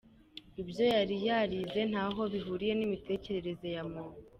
Ibyo yari yarize ntaho bihuriye n’Imitekerereze ya muntu.